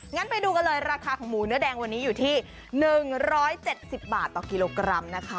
งั้นไปดูกันเลยราคาของหมูเนื้อแดงวันนี้อยู่ที่๑๗๐บาทต่อกิโลกรัมนะคะ